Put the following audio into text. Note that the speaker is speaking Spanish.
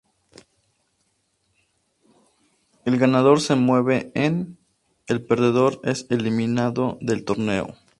El ganador se mueve en, el perdedor es eliminado del torneo.